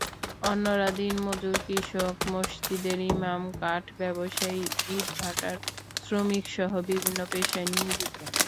অন্যরা দিনমজুর, কৃষক, মসজিদের ইমাম, কাঠ ব্যবসায়ী, ইটভাটার শ্রমিকসহ বিভিন্ন পেশায় নিয়োজিত।